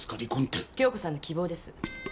京子さんの希望です。